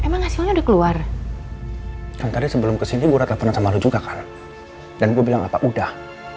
emang hasilnya udah keluar dan tadi sebelum kesini gue telepon sama lu juga kan dan gue bilang apa udah